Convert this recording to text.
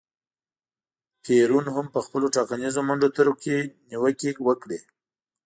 پېرون هم په خپلو ټاکنیزو منډو ترړو کې نیوکې وکړې.